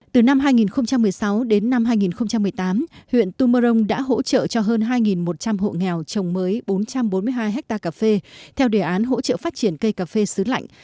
từ năm hai nghìn một mươi sáu đến năm hai nghìn một mươi tám huyện tumorong đã hỗ trợ cho hơn hai một trăm linh hộ nghèo trồng mới bốn trăm bốn mươi hai hectare cà phê theo đề án hỗ trợ phát triển cây cà phê xứ lạnh